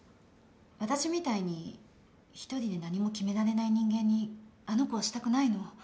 私みたいに一人で何も決められない人間にあの子をしたくないの。